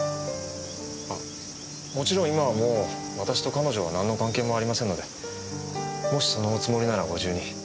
あもちろん今はもう私と彼女は何の関係もありませんのでもしそのおつもりならご自由に。